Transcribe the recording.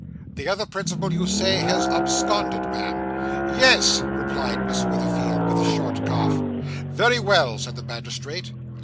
'The other principal, you say, has absconded, ma'am?' 'Yes,' replied Miss Witherfield, with a short cough. 'Very well,' said the magistrate.